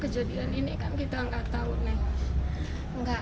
kejadian ini kan kita nggak tahu nih